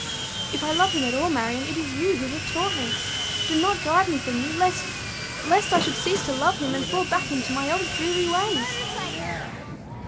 "If I love him at all, Marion, it is you who have taught me. Do not drive me from you lest lest I should cease to love him, and fall back into my old dreary ways."